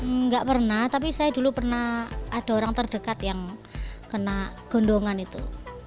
enggak pernah tapi saya dulu pernah ada orang terdekat yang kena gondongan itu